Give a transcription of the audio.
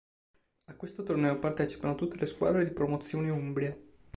A questo torneo partecipano tutte le squadre di Promozione Umbria.